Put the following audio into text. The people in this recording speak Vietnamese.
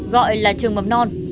gọi là trường mầm non